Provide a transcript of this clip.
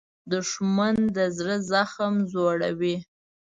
دښمن د زړه زخم زوړوي